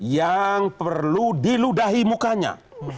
yang perlu diludahi mukanya